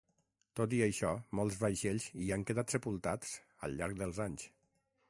Tot i això, molts vaixells hi han quedat sepultats al llarg dels anys.